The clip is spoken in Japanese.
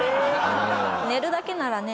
寝るだけならね